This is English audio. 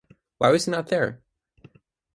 Why was he not here?